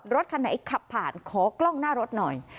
รถคันไหนขับผ่านขอกล้องหน้ารถหน่อย